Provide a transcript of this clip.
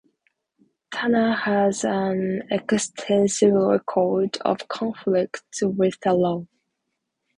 Tanner has an extensive record of conflicts with the law.